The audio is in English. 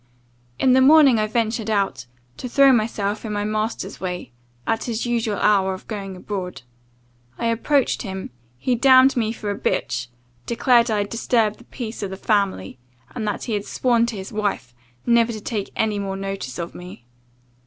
"In the morning I ventured out, to throw myself in my master's way, at his usual hour of going abroad. I approached him, he 'damned me for a b , declared I had disturbed the peace of the family, and that he had sworn to his wife, never to take any more notice of me.